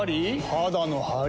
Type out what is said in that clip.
肌のハリ？